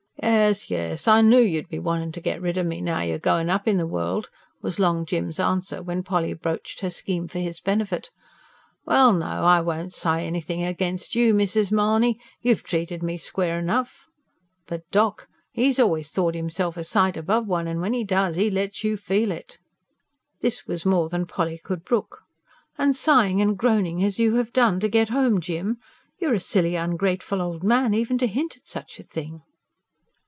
"Yes, yes, I knoo you'd be wantin' to get rid o' me, now you're goin' up in the world," was Long Jim's answer when Polly broached her scheme for his benefit. "Well, no, I won't say anythin' against you, Mrs. Mahony; you've treated me square enough. But doc., 'e's always thought 'imself a sight above one, an' when 'e does, 'e lets you feel it." This was more than Polly could brook. "And sighing and groaning as you have done to get home, Jim! You're a silly, ungrateful old man, even to hint at such a thing."